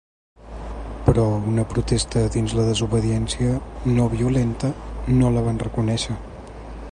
Però una protesta dins la desobediència no violenta, no la van reconèixer.